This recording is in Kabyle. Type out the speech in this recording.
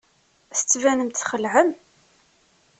Tettbanem-d txelɛem.